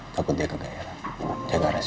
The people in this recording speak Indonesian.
takut dia kegayaan jaga rahasia